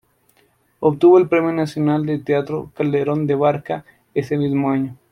Obtuvo el Premio Nacional de Teatro Calderón de la Barca ese mismo año.